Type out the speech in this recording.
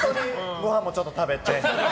ごはんもちょっと食べて。